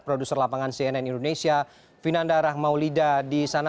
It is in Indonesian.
produser lapangan cnn indonesia vinanda rahmaulida di sana